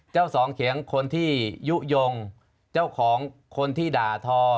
เจ้าของเขียงคนที่ยุโยงเจ้าของคนที่ด่าทอ